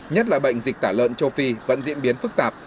nhất là bệnh dịch tả lợn châu phi vẫn diễn biến phức tạp